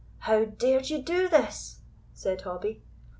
"How dared you do this?" said Hobbie.